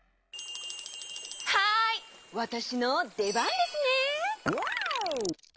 はいわたしのでばんですね！